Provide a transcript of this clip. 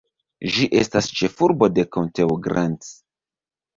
Ĝi estas ĉefurbo de konteo Grant.